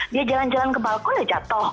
dia jalan jalan ke balkon dia jatuh